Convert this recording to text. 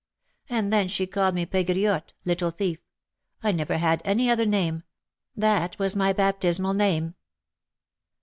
And then she called me Pegriotte (little thief). I never had any other name, that was my baptismal name."